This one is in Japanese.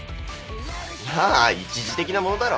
まあ一時的なものだろ。